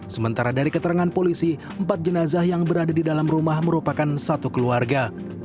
sementara dari keterangan polisi empat jenazah yang berada di dalam rumah merupakan satu keluarga